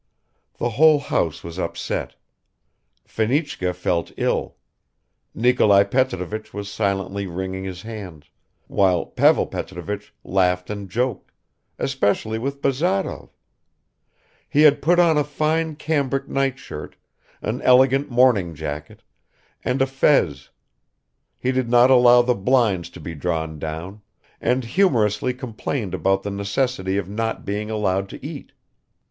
The whole house was upset; Fenichka felt ill; Nikolai Petrovich was silently wringing his hands, while Pavel Petrovich laughed and joked, especially with Bazarov; he had put on a fine cambric nightshirt, an elegant morning jacket, and a fez; he did not allow the blinds to be drawn down, and humorously complained about the necessity of not being allowed to eat.